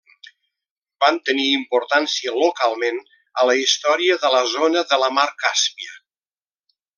Van tenir importància localment a la història de la zona de la mar Càspia.